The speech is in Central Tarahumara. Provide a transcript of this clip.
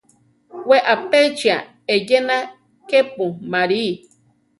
We apéchia eyéna kepu marí.